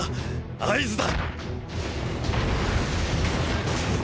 合図だ！！